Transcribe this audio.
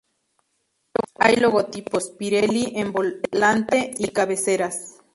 Hay logotipos "Pirelli" en volante y cabeceras.